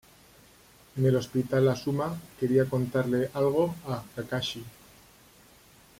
En el hospital Asuma quería contarle algo a Kakashi.